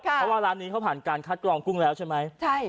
เพราะว่าร้านนี้เขาผ่านการคัดกรองกุ้งแล้วใช่ไหม